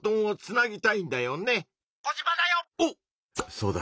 「そうだ」。